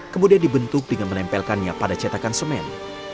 kemudian dibentuk dengan menempelkannya pada cetakan semen